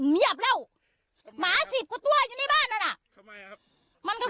เงียบแล้วหมาสิบกว่าตัวอยู่ในบ้านนั้นอ่ะทำไมอ่ะครับมันก็